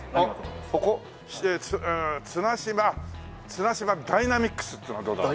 綱島ダイナミックスっていうのはどうだろう？